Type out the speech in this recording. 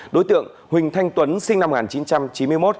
đối tượng huỳnh thanh tuấn sinh năm một nghìn chín trăm chín mươi một